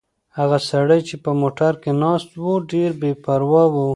هغه سړی چې په موټر کې ناست و ډېر بې پروا و.